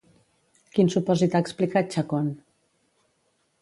Quin supòsit ha explicat Chacón?